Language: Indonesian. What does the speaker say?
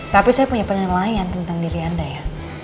tapi saya punya penilaian tentang diri anda ya